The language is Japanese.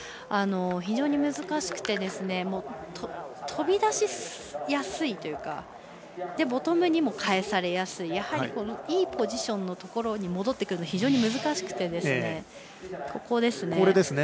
非常に難しくて飛び出しやすいというかボトムにも帰されやすいいいポジションのところに戻ってくるのは非常に難しくてですね。